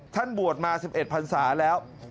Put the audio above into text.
ท่านบวชมา๑๑พันศาแล้ว